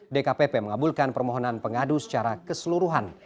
dkpp mengabulkan permohonan pengadu secara keseluruhan